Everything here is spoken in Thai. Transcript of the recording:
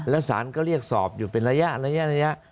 แล้วสารก็เรียกสอบอยู่เป็นระยะระยะระยะ